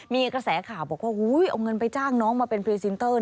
มีกระแสข่าวบอกว่าเอาเงินไปจ้างน้องมาเป็นพรีเซนเตอร์